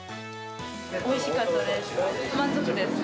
おいしかったです。